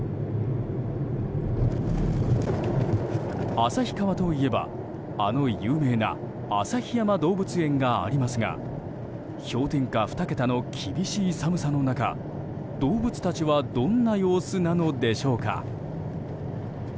旭川といえば、あの有名な旭山動物園がありますが氷点下２桁の厳しい寒さの中動物たちはどんな様子なのでしょうか。